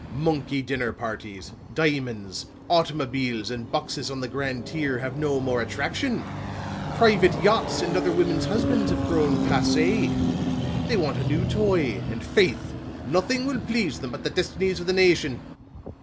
Monkey dinner parties, diamonds, automobiles and boxes on the grand tier have no more attraction; private yachts and other women's husbands have grown passé. They want a new toy, and faith, nothing will please them but the destinies of the nation.